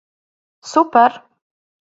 Super!